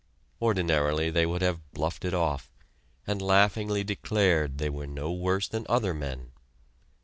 Ordinarily they would have bluffed it off, and laughingly declared they were no worse than other men.